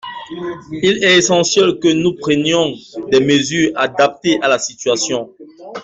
Il est essentiel que nous prenions des mesures adaptées à la situation.